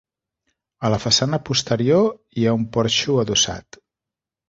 A la façana posterior hi ha un porxo adossat.